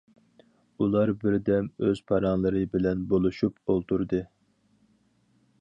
ئۇلار بىردەم ئۆز پاراڭلىرى بىلەن بولۇشۇپ ئولتۇردى.